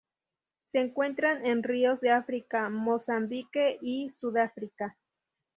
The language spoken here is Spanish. Se encuentran en ríos de África:Mozambique y Sudáfrica.